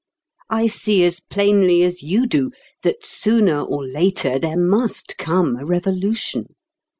I see as plainly as you do that sooner or later there must come a revolution.